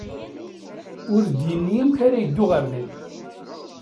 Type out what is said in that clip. Ur d-yenni amek ara yeddu ɣer din.